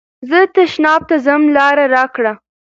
زه تشناب ته ځم لاره راکړه.